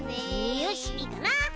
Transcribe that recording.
よしいいかな？